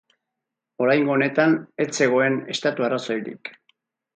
Oraingo honetan ez zegoen Estatu-arrazoirik!.